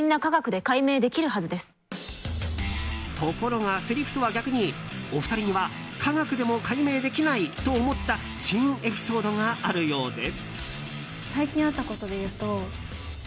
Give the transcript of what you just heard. ところが、せりふとは逆にお二人には科学でも解明できない！と思った珍エピソードがあるようで。